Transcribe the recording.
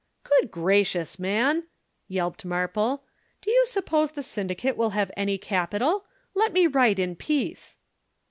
"'"Good gracious, man!" yelped Marple. "Do you suppose the syndicate will have any capital? Let me write in peace."